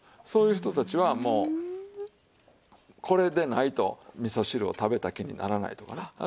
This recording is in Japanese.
そういう人たちはもうこれでないと味噌汁を食べた気にならないとかね。